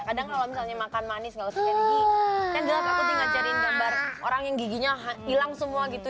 kadang kalau misalnya makan manis kalau suka ini kan gelap aku tuh ngecariin gambar orang yang giginya hilang semua gitu